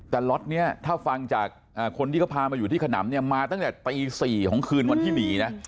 แต่ล็อตนี้ถ้าฟังจากคนที่เขาพามาอยู่ที่ขนำเนี่ยมาตั้งแต่ตี๔ของคืนวันที่หนีนะ